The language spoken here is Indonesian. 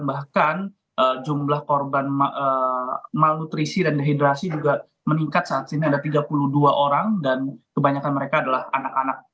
bahkan jumlah korban malnutrisi dan dehidrasi juga meningkat saat ini ada tiga puluh dua orang dan kebanyakan mereka adalah anak anak